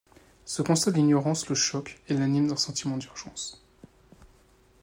Ce constat d’ignorance le choque et l’anime d’un sentiment d’urgence.